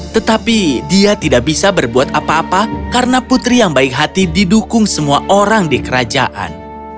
tetapi dia tidak bisa berbuat apa apa karena putri yang baik hati didukung semua orang di kerajaan